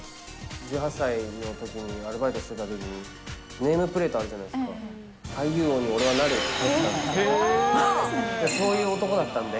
１８歳のときにアルバイトしてたときに、ネームプレートあるじゃないですか、俳優王に俺はなるって書いてたんです。